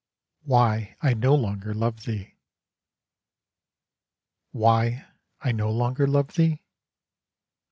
Whjr I_ No Longer Love Thee? Why I no longer love thee?